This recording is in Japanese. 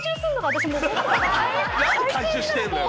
何回収してるのよ。